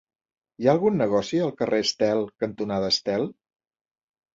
Hi ha algun negoci al carrer Estel cantonada Estel?